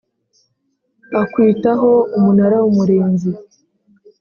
Akwitaho umunara w umurinzi